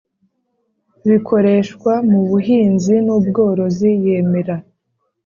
bikoreshwa mu buhinzi n ubworozi yemera